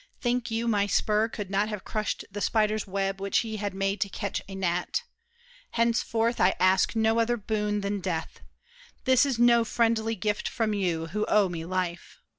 Think you My spur could not have crushed the spider's web Which he had made to catch a gnat? Henceforth I ask no other boon than death. This is No friendly gift from you, who owe me life!